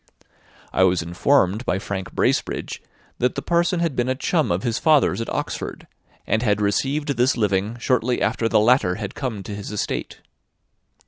I was informed by Frank Bracebridge that the parson had been a chum of his father's at Oxford, and had received this living shortly after the latter had come to his estate.